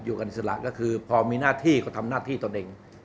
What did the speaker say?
กับอิสระก็คือพอมีหน้าที่ก็ทำหน้าที่ตนเอง